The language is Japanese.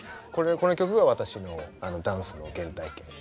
この曲が私のダンスの原体験。